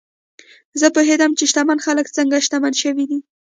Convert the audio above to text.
زه پوهېدم چې شتمن خلک څنګه شتمن شوي دي.